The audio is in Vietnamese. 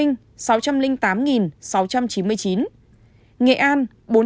nghệ an bốn trăm tám mươi hai bốn trăm chín mươi ba